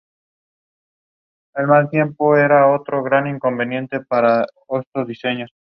Sin embargo, las ventas cayeron rápidamente.